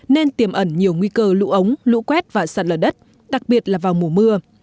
nên tiềm ẩn nhiều nguy cơ lũ ống lũ quét và sạt lở đất đặc biệt là vào mùa mưa